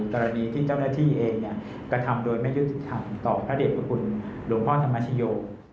กรณีที่เจ้าหน้าที่เองกระทำโดยไม่ยุติธรรมต่อพระเด็จพระคุณหลวงพ่อธรรมชโย